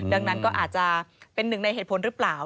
ดังนั้นก็อาจจะเป็นหนึ่งในเหตุผลหรือเปล่า